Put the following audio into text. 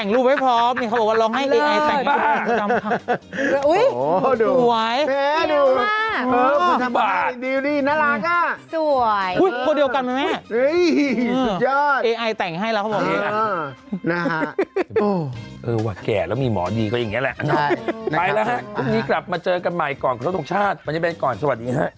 อ๋อรอสุดพลายชั้นต่อไปค่ะใช่ค่ะค่ะ